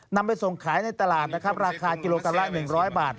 นำไปส่งขายในตลาดราคากิโลกรัมรายนี้๑๐๐บาท